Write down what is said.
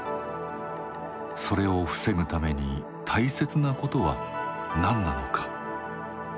それを防ぐために大切なことは何なのか。